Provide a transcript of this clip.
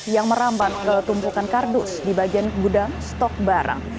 yang merambat ketumpukan kardus di bagian gudang stok barang